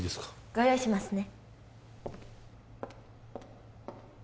ご用意しますね